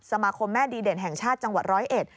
สมาคมแม่ดีเด่นแห่งชาติจังหวัดร้อยเอ็ด